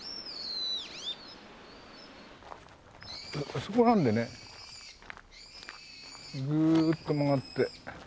あそこなんでねずっと曲がって。